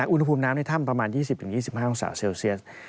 อุณหภูมิน้ำในถ้ำประมาณ๒๐๒๕องศาเซลเซียส